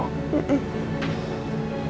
aku keluar dulu ya ma